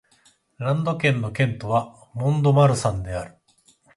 ランド県の県都はモン＝ド＝マルサンである